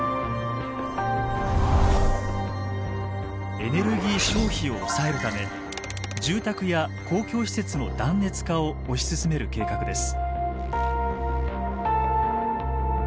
エネルギー消費を抑えるため住宅や公共施設の断熱化を推し進める計画です。